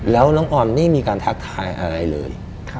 แล้วน้องออนไม่มีการทักทายอะไรเลย